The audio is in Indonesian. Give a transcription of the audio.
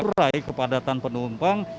untuk mengurai kepadatan penumpang